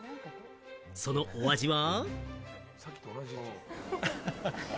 そのお味は。